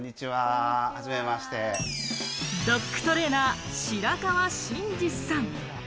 ドッグトレーナー・白川真二さん。